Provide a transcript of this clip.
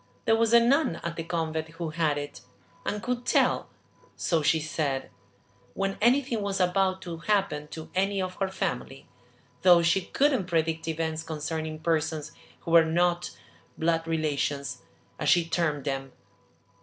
There was a nun at the convent who had it, and could tell, so she said, when anything was about to happen to any of her family, though she couldn't predict events concerning persons who were not `blood relations,' as she termed them.